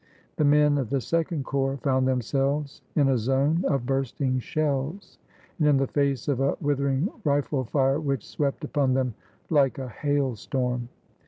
The men of the Second Corps found them selves in a zone of bursting shells, and in the face of a withering rifle fire which swept upon them like a hail storm.